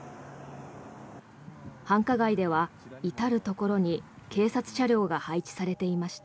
繁華街では至るところに警察車両が配置されていました。